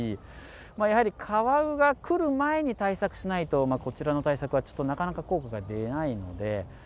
やはりカワウが来る前に対策しないと、こちらの対策はちょっとなかなか効果が出ないので。